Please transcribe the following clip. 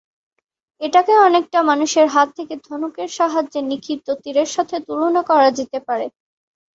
এটাকে অনেকটা মানুষের হাত থেকে ধনুকের সাহায্যে নিক্ষিপ্ত তীরের সাথে তুলনা করা যেতে পারে।